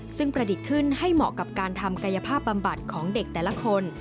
ซึ่งประดิษฐ์ขึ้นให้เหมาะกับการทำกายภาพบำบัดของเด็กแต่ละคน